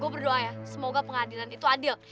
gue berdoa ya semoga pengadilan itu adil